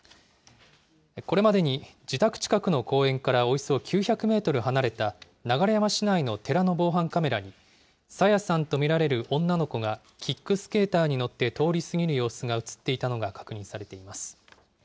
これまでに自宅近くの公園からおよそ９００メートル離れた、流山市内の寺の防犯カメラに、朝芽さんと見られる女の子がキックスケーターに乗って通り過ぎる様子が写っていたのが確認されています。